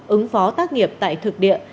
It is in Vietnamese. ứng phó tác nghiệp tại thực địa